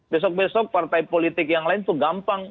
besok besok partai politik yang lain itu gampang